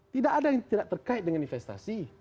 tidak ada yang tidak terkait dengan investasi